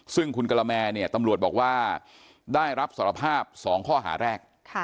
ซึ่งคุณกะละแมเนี่ยตำรวจบอกว่าได้รับสารภาพ๒ข้อหาแรก